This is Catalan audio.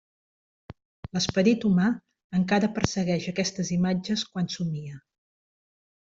L'esperit humà encara persegueix aquestes imatges quan somia.